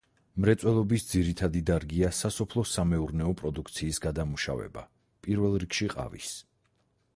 მრეწველობის ძირითადი დარგია სასოფლო-სამეურნეო პროდუქციის გადამუშავება, პირველ რიგში ყავის.